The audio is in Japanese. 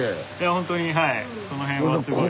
ほんとにはいその辺はすごい。